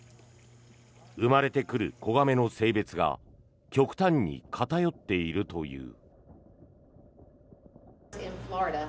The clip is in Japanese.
生まれてくる子亀の性別が極端に偏っているという。